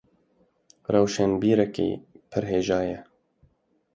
Rewşenbîrekî pir hêja ye.